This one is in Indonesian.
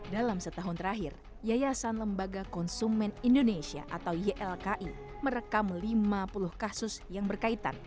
dalam setahun terakhir yayasan lembaga konsumen indonesia atau ylki merekam lima puluh kasus yang berkaitan